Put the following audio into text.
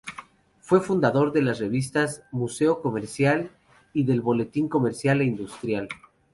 Fue fundador de las revistas Museo Comercial y del Boletín Comercial e Industrial.